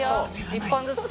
１本ずつ。